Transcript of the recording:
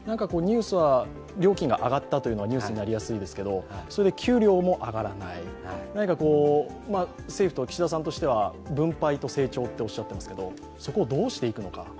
料金が上がったというのがニュースになりやすいですけど、給料も上がらない、政府と岸田さんとしては分配と成長とおっしゃっていますがそこをどうしていくのか。